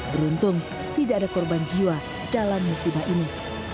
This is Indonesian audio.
beruntung tidak ada korban jiwa dalam musibah ini